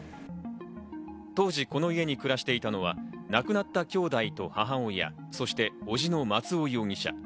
当時、この家に暮らしていたのはなくなった兄弟と母親、そして伯父の松尾容疑者。